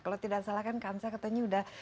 kalau tidak salah kan kamsa katanya sudah